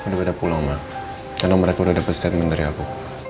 di pula ma karena mereka udah dapet statement dari aku